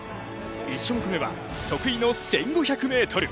１種目めは得意の１５００ｍ。